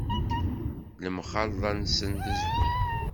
Lemxalḍa-nnes d zzhu.